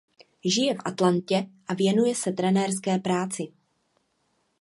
Žije v Atlantě a věnuje se trenérské práci.